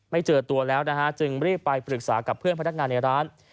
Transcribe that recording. เจอตัวแล้วนะฮะจึงรีบไปปรึกษากับเพื่อนพนักงานในร้าน